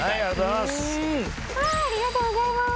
ありがとうございます。